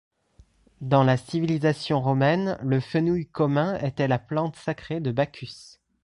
Dans la civilisation romaine, le fenouil commun était la plante sacrée de Bacchus.